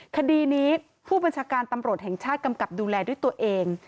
คดีนี้ผู้บัญชาการตำรวจแห่งชาติกำกับดูแลด้วยตัวเอง